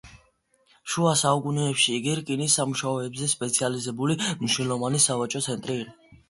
შუა საუკუნეებში იგი რკინის სამუშაოებზე სპეციალიზებული მნიშვნელოვანი სავაჭრო ცენტრი იყო.